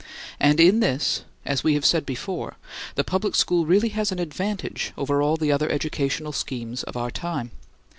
And in this, as we have said before, the public school really has an advantage over all the other educational schemes of our time.